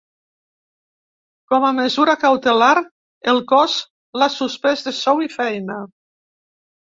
Com a mesura cautelar, el cos l’ha suspès de sou i feina.